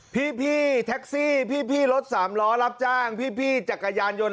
พี่แท็กซี่พี่รถสามล้อรับจ้างพี่จักรยานยนต์